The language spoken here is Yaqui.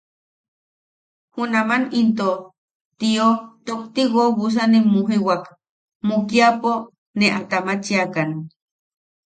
Junaman in tio tokti woobusanisi mujiwak, mukiapo ne a tamachiakan.